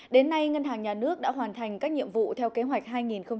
đến nay ngân hàng nhà nước đã hoàn thành các nhiệm vụ theo kế hoạch hai nghìn một mươi sáu